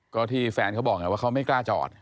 ก็ที่แฟนเขาบอกไงว่าเขาไม่กล้าจอด